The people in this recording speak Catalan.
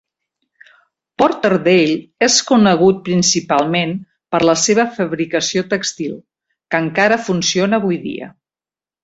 Porterdale és conegut principalment per la seva fabricació tèxtil, que encara funciona avui dia.